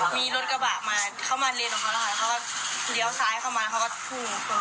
มีรถกระบะมาเข้ามาเล็นของเขาแล้วเขาก็เรียวซ้ายเข้ามาเขาก็ทุ่มทุ่มทุ่ม